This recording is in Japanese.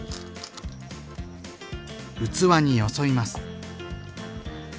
器によそいます。